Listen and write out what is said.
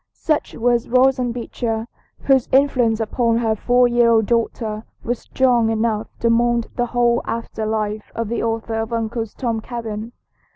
Such was Roxanna Beecher, whose influence upon her four year old daughter was strong enough to mould the whole after life of the author of "Uncle Tom's Cabin."